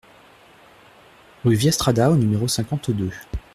Rue Via Strada au numéro cinquante-deux